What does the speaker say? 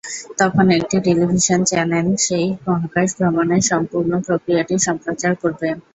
তখন একটি television channel সেই মহাকাশ ভ্রমণের সম্পূর্ণ প্রক্রিয়াটি সম্প্রচার করবে।